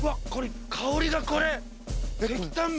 香りがこれ。